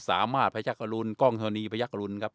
สามารถภายกรุณกล้องทรณีพระยักษ์กรุณครับ